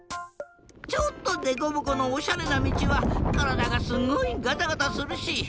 ちょっとデコボコのおしゃれなみちはからだがすごいガタガタするし。